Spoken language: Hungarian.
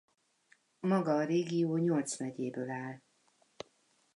Maga a régió nyolc megyéből áll.